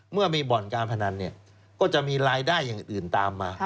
เมื่อมีบ่อนการพนันก็จะมีรายได้อย่างอื่นตามมา